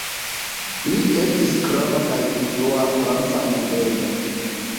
Li estis grava kaj influa franca nobelo.